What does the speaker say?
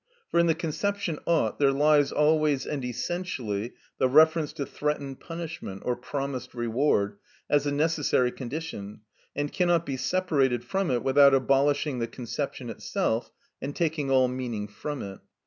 For in the conception "ought" there lies always and essentially the reference to threatened punishment, or promised reward, as a necessary condition, and cannot be separated from it without abolishing the conception itself and taking all meaning from it.